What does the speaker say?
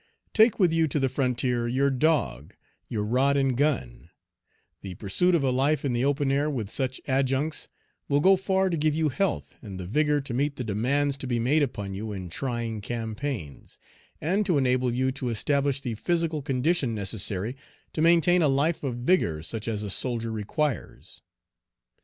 Take with you to the frontier your dog, your rod and gun; the pursuit of a life in the open air with such adjuncts will go far to give you health and the vigor to meet the demands to be made upon you in trying campaigns, and to enable you to establish the physical condition necessary to maintain a life of vigor such as a soldier requires.